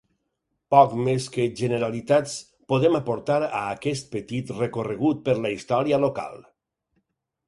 Poc més que generalitats podem aportar a aquest petit recorregut per la història local.